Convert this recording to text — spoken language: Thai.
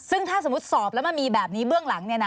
ซึ่งถ้าสมมุติสอบแล้วมันมีแบบนี้เบื้องหลัง